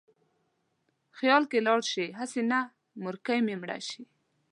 خیال کې لاړ شې: هسې نه مورکۍ مې مړه شي